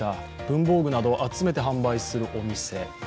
文房具など、集めて販売するお店。